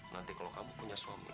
kata enggak itu cuma sama saya